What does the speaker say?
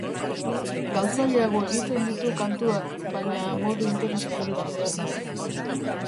Galtzaileago egiten ditu kantuak, baina modu interesgarri batean.